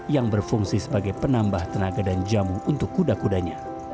yang berfungsi sebagai penambah tenaga dan jamu untuk kuda kudanya